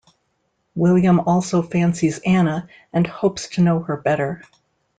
William also fancies Anna and hopes to know her better.